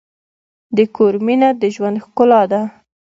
د کور مینه د ژوند ښکلا ده.